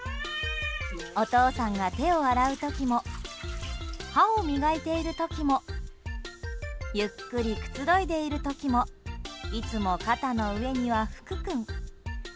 お父さんが手を洗う時も歯を磨いている時もゆっくりくつろいでいる時もいつも肩の上には、ふく君。